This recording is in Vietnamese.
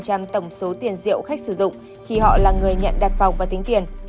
trăm tổng số tiền rượu khách sử dụng khi họ là người nhận đặt vòng và tính tiền